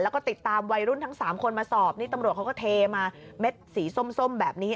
แล้วก็ติดตามวัยรุ่นทั้ง๓คนมาสอบนี่ตำรวจเขาก็เทมาเม็ดสีส้มแบบนี้